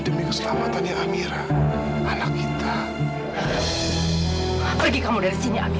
dan aku nggak akan pernah balik kesini lagi